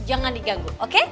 jangan diganggu oke